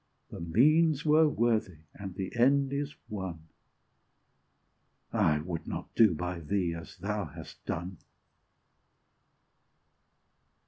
The means were worthy, and the end is won I would not do by thee as thou hast done!